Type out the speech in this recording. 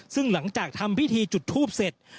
ซึ่งหลังจากทำพิธีจุดทูปเสร็จ